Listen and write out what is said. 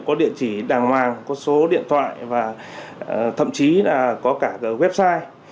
có địa chỉ đàng hoàng có số điện thoại và thậm chí là có cả website